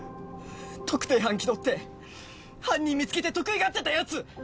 特定班きどって犯人見つけて得意がってたやつ